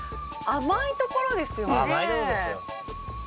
甘いとこですよ。